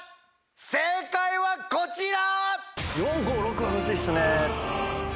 正解はこちら。